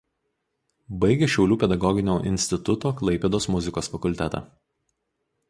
Baigė Šiaulių pedagoginio instituto Klaipėdos muzikos fakultetą.